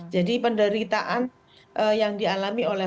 jadi penderitaan yang dialami oleh